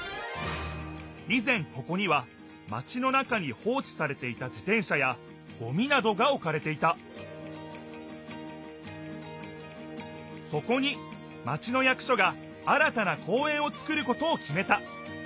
い前ここにはマチの中にほうちされていた自てん車やゴミなどがおかれていたそこにマチの役所が新たな公園をつくることをきめた。